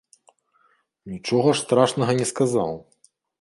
Нічога страшнага ж не сказаў!